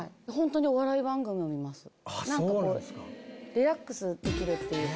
リラックスできるっていうか。